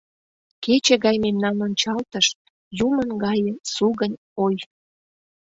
Кече гай мемнан ончалтыш, Юмын гае сугынь-ой.